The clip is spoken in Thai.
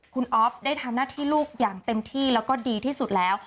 คุณอ๊อฟได้ทำหน้าที่ลูกอย่างเต็มที่แล้วก็ดีที่สุดแล้ว